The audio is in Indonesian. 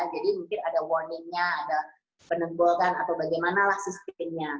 jadi mungkin ada warningnya ada penegurkan atau bagaimana lah sistemnya